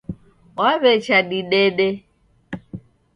Wawecha didede.